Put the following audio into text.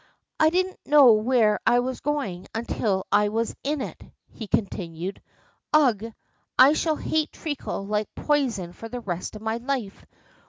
"I didn't know where I was going until I was in it," he continued. "Ugh! I shall hate treacle like poison for the rest of my life!